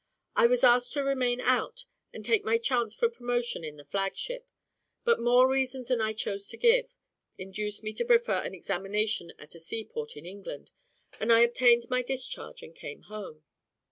I was asked to remain out, and take my chance for promotion in the flag ship; but more reasons than I chose to give, induced me to prefer an examination at a sea port in England, and I obtained my discharge and came home.